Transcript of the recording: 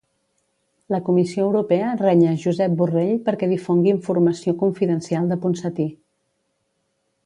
La Comissió Europea renya Josep Borrell perquè difongui informació confidencial de Ponsatí.